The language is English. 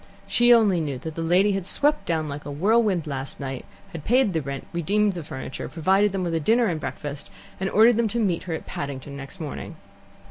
She only knew that the lady had swept down like a whirlwind last night, had paid the rent, redeemed the furniture, provided them with a dinner and breakfast, and ordered them to meet her at Paddington next morning.